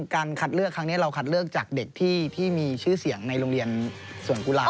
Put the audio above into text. การคัดเลือกครั้งนี้เราคัดเลือกจากเด็กที่มีชื่อเสียงในโรงเรียนสวนกุหลาบ